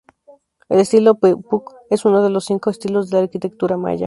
El estilo "Puuc" es uno de los cinco estilos de la arquitectura maya.